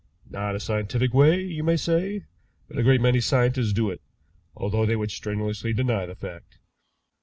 Not a scientific way, you may say, but a great many scientists do it, although they would strenuously deny the fact.